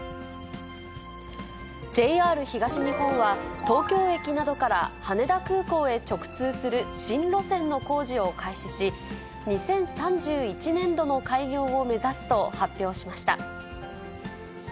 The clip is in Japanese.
ＪＲ東日本は、東京駅などから羽田空港へ直通する新路線の工事を開始し、２０３１年度の開業を目指すと発表しました。